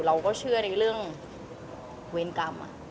เราก็เชื่อในเรื่องเวรกรรม